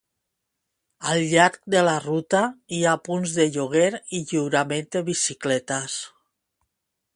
Al llarg de la ruta, hi ha punts de lloguer i lliurament de bicicletes.